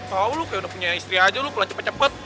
tau lo kayak udah punya istri aja lo pulang cepet cepet